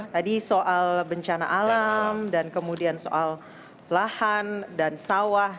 tadi soal bencana alam dan kemudian soal lahan dan sawah